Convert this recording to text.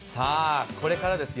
これからですよ